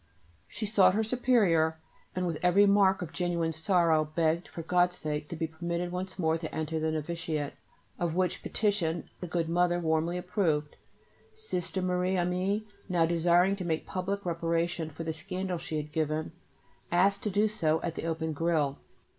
She sought her Superior, and with every mark of genuine sorrow begged, for God's sake, to be permitted once more to enter the novitiate, of which petition the good Mother warmly approved. Sister Marie Aimée, now desiring to make public reparation for the scandal she had given, asked to do so at the open grille.